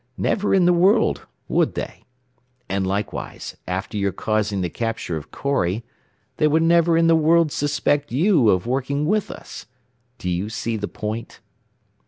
Never in the world would they? And likewise, after your causing the capture of Corry, they would never in the world suspect you of working with us. Do you see the point?